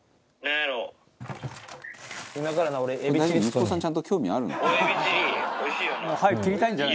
息子さんちゃんと興味あるのかな？」